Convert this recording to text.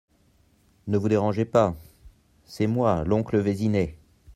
Ne vous dérangez pas… c’est moi, l’oncle Vézinet…